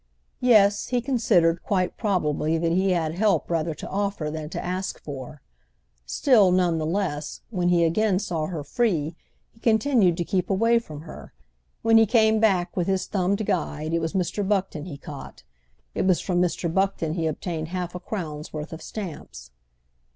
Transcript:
Yes, he considered quite probably that he had help rather to offer than to ask for. Still, none the less, when he again saw her free he continued to keep away from her; when he came back with his Guide it was Mr. Buckton he caught—it was from Mr. Buckton he obtained half a crown's worth of stamps.